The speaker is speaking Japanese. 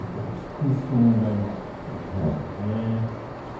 空室の問題もあるということですね。